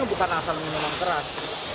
bukan asal minuman keras